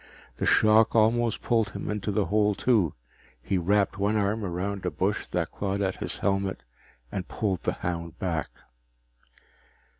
The shock almost pulled him into the hole too. He wrapped one arm around a bush that clawed at his helmet and pulled the hound back.